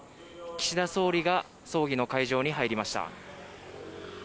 岸田総理が葬儀の会場に入りました。